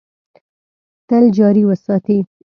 تل جاري وساتي .